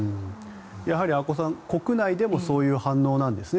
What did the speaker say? やはり阿古さん国内でもそういう反応なんですね。